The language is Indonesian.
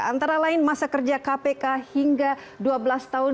antara lain masa kerja kpk hingga dua belas tahun